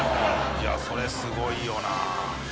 いやそれすごいよな。